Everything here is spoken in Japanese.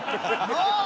なあ？